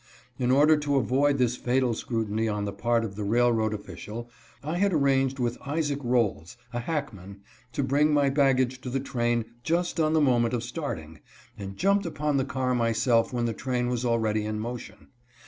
In order to avoid this fatal scrutiny on the part of the railroad official, I had arranged with Isaac Rolls, a hackman, to bring my baggage to the train just on the moment of starting, and jumped upon the car myself when the train was already in motion.